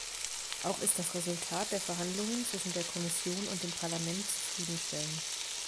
Auch ist das Resultat der Verhandlungen zwischen der Kommission und dem Parlament zufriedenstellend.